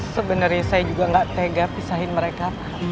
sebenarnya saya juga gak tega pisahin mereka